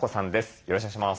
よろしくお願いします。